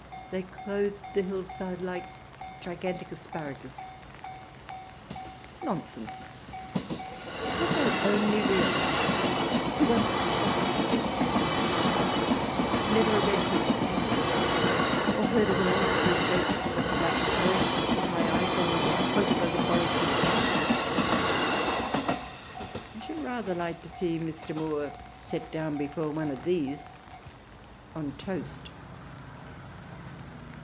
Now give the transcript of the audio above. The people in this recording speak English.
They clothe the. hillside like gigantic asparagus." Nonsense 1 Has our only Realist, who once placed a haystack in Peckham, never read his Tacitus, or heard of the monstrous oaks of the Black Forest, the high Eiffel, the Teutoburger Forest, or the Hartz ? I should rather like to see Mr. Moore set down before one of these on toast.